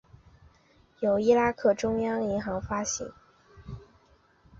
由伊拉克中央银行发行。